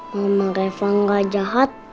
mama reva gak jahat